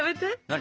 何？